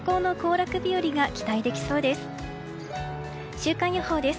週間予報です。